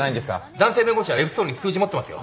男性弁護士はＦ層に数字持ってますよ。